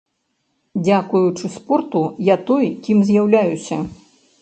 Дзякуючы спорту я той, кім з'яўляюся.